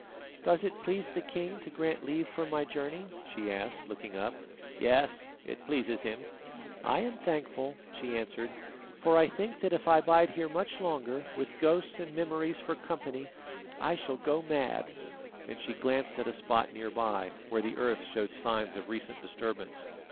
"Does it please the king to grant leave for my journey?" she asked, looking up. "Yes, it pleases him." "I am thankful," she answered, "for I think that if I bide here much longer, with ghosts and memories for company, I shall go mad," and she glanced at a spot near by, where the earth showed signs of recent disturbance.